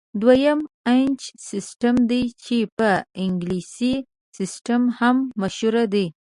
دویم د انچ سیسټم دی چې په انګلیسي سیسټم هم مشهور دی.